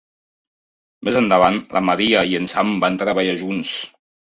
Més endavant, la Maria i en Sam van treballar junts.